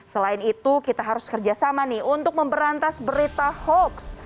selain itu kita harus kerjasama nih untuk memberantas berita hoax